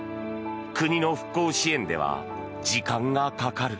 国の復興支援では時間がかかる。